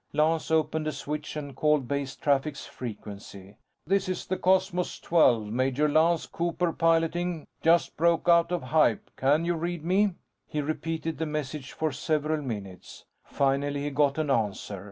Lance opened a switch and called Base Traffic's frequency. "This is the Cosmos XII, Major Lance Cooper piloting. Just broke out of hype. Can you read me?" He repeated the message for several minutes. Finally, he got an answer.